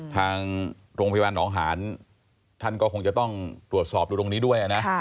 ทางโรงพยาบาลหนองหานท่านก็คงจะต้องตรวจสอบดูตรงนี้ด้วยนะ